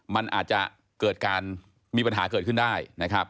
มันอาจจะเกิดการมีปัญหาเกิดขึ้นได้นะครับ